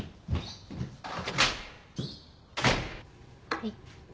はい。